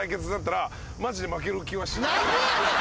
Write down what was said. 何でやねん？